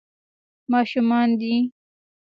ماشومان دي.